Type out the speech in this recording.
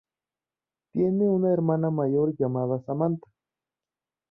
Tiene una hermana mayor llamada Samantha.